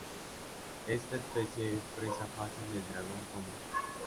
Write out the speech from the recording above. Esta especie es presa fácil del dragón de Komodo.